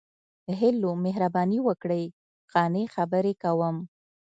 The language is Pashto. ـ هلو، مهرباني وکړئ، قانع خبرې کوم.